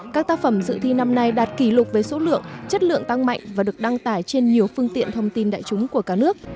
các tác phẩm dự thi năm nay đạt kỷ lục với số lượng chất lượng tăng mạnh và được đăng tải trên nhiều phương tiện thông tin đại chúng của cả nước